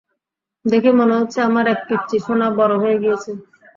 দেখে মনে হচ্ছে আমার এক পিচ্চি সোনা বড়ো হয়ে গিয়েছে।